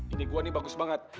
ini gue nih bagus banget